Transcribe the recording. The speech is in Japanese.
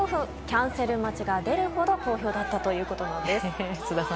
キャンセル待ちが出るほど好評だったということです。